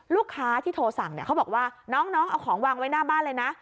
ลูกค้าที่โทรสั่งเขาบอกว่าน้องเอาของวางไว้หน้าบ้านเลยนะ